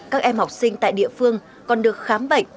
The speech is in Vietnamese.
các em học sinh tại địa phương còn được khám bệnh